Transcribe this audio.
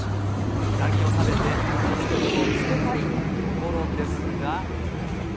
うなぎを食べて、活力をつけたいところですが。